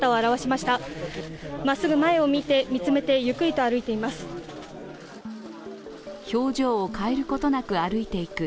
まっすぐ前を見つめて、ゆっくりと歩いています。